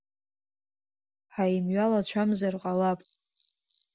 Ҳаимҩалацәамзар ҟалап.